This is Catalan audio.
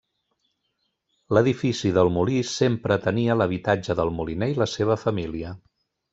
L'edifici del molí sempre tenia l'habitatge del moliner i la seva família.